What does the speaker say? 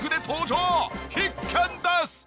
必見です！